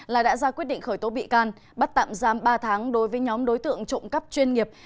là đã ra quyết định khởi tố bị can bắt tạm giam ba tháng đối với nhóm đối tượng trộm cắp chuyên nghiệp